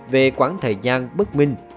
về quãng thời gian bất minh